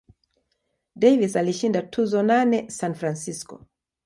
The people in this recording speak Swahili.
Davis alishinda tuzo nane San Francisco.